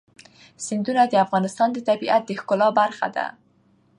سیندونه د افغانستان د طبیعت د ښکلا برخه ده.